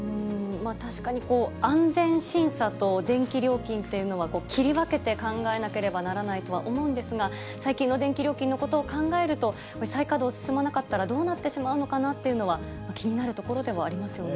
確かに安全審査と電気料金っていうのは、切り分けて考えなければいけないとは思うんですが、最近の電気料金のことを考えると、再稼働進まなかったら、どうなってしまうのかなというのは、気になるところではありますよね。